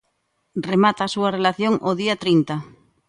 Remata a súa relación o día trinta.